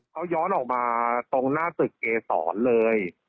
เขาย้อนออกมาตรงหน้าตึกเกษรเลย